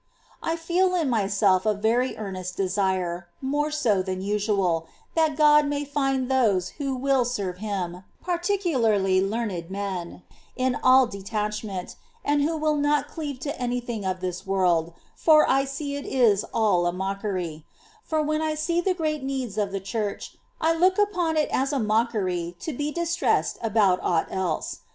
13. I feel in myself a very earnest desire, more so than usual, that God may find those who will chSJch/^^ serve Him, particularly learned men, in all detach ment, and who will not cleave to any thing of this world, for I see it is all a mockery ; for when I see the great needs of the Church, I look upon it as a mockery to be distressed about aught else.